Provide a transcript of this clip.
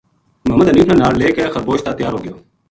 محمد حنیف نا نال لے کے خربوش تا تیا ر ہو گیو